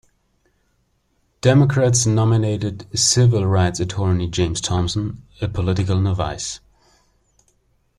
Democrats nominated civil-rights attorney James Thompson, a political novice.